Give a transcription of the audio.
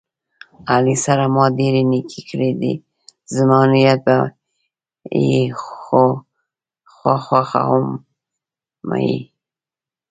علي سره ما ډېرې نیکۍ کړې دي، زما نیت به یې خواخما وهي.